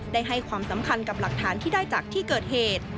ให้ความสำคัญกับหลักฐานที่ได้จากที่เกิดเหตุ